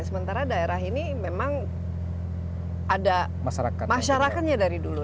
sementara daerah ini memang ada masyarakatnya dari dulu